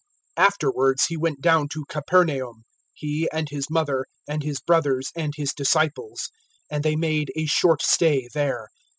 002:012 Afterwards He went down to Capernaum He, and His mother, and His brothers, and His disciples; and they made a short stay there.